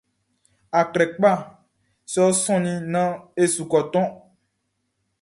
Atrɛkpaʼn, sɛ e sɔnnin naan e su kɔ toʼn.